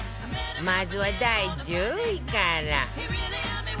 まずは第１０位から